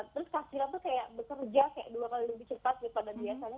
terus kasila tuh kayak bekerja kayak dua kali lebih cepat daripada biasanya